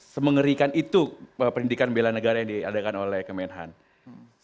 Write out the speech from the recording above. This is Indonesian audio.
semengerikan itu pendidikan bela negara yang diadakan oleh kementerian pertahanan indonesia